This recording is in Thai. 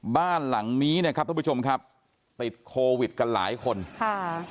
บ้านหลังนี้นะครับทุกผู้ชมครับติดโควิดกันหลายคนค่ะ